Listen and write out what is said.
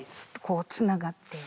つながってる。